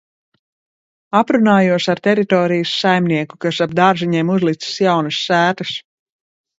Aprunājos ar teritorijas saimnieku, kas ap dārziņiem uzlicis jaunas sētas.